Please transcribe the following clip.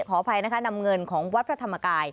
ขออภัยนะคะนำเงินของวัดพระธรรมกาย